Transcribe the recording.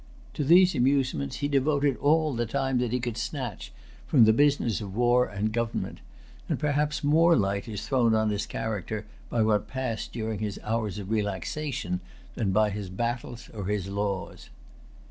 To these amusements he devoted all the time that he could snatch from the business of war and government; and perhaps more light is thrown on his character by what passed during his hours of relaxation than by his battles or his laws.